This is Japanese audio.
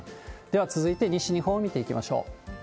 では続いて西日本を見ていきましょう。